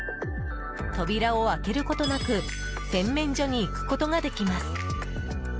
扉を開けることなく洗面所に行くことができます。